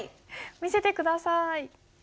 見せて下さい。